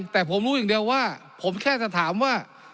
แต่ผมรู้อย่างเดียวว่าผมแค่จะถามว่า